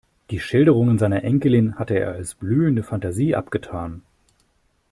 Die Schilderungen seiner Enkelin hatte er als blühende Fantasie abgetan.